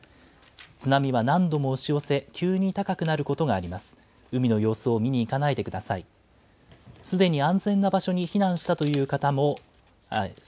津波は何度も押し寄せ、急に高くなることがあります。